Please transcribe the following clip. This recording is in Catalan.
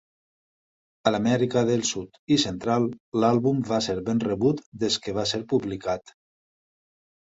A l'Amèrica de Sud i Central l'àlbum va ser ben rebut des que va ser publicat.